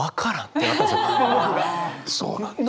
そうなんだよ。